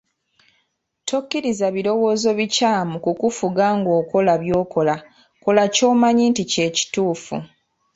Tokkiriza birowoozo bikyamu kukufuga ng’okola by’okola, kola ky’omanyi nti kye kituufu.